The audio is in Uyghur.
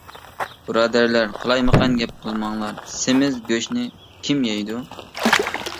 -بۇرادەرلەر، قالايمىقان گەپ قىلماڭلار، سېمىز گۆشنى كىم يەيدۇ.